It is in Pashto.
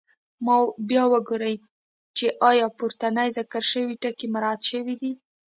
بیا وګورئ چې آیا پورتني ذکر شوي ټکي مراعات شوي دي.